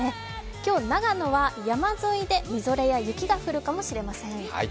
今日、長野は山沿いでみぞれや雪が降るかもしれません。